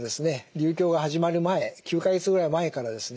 流行が始まる前９か月ぐらい前からですね